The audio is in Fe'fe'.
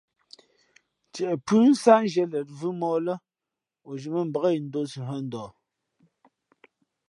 Ntieʼ phʉ́ nsát nzhīē lěn vʉ̄mōh lά o zhī mά mbǎk indō si hᾱ ndαh.